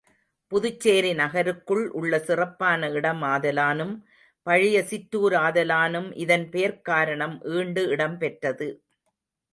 புதுச்சேரி நகருக்குள் உள்ள சிறப்பான இடம் ஆதலானும், பழைய சிற்றூர் ஆதலானும் இதன் பெயர்க்காரணம் ஈண்டு இடம் பெற்றது.